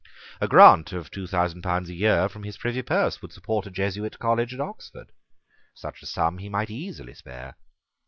A grant of two thousand pounds a year from his privy purse would support a Jesuit college at Oxford. Such a sum he might easily spare.